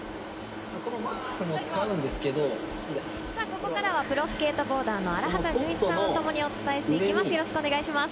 ここからはプロスケートボーダーの荒畑潤一さんとともにお伝えしていきます。